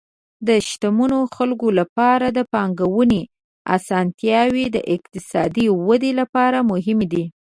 د شتمنو خلکو لپاره د پانګونې اسانتیاوې د اقتصادي ودې لپاره مهم دي.